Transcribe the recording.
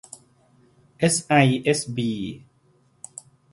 เอสไอเอสบี